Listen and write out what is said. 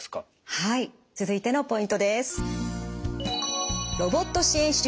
はい続いてのポイントです。